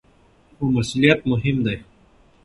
خو مسؤلیت مهم دی.